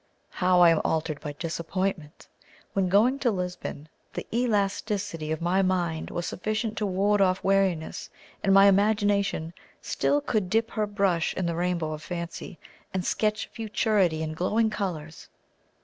How I am altered by disappointment! When going to Lisbon, the elasticity of my mind was sufficient to ward off weariness, and my imagination still could dip her brush in the rainbow of fancy, and sketch futurity in glowing colours.